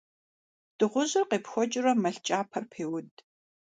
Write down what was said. Дыгъужьыр къепхуэкӀыурэ мэл кӀапэр пеуд.